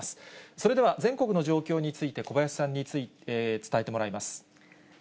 それでは全国の状況について、小林さんに伝えてもらいます。